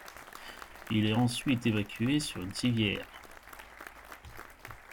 Il est ensuite évacué sur une civière.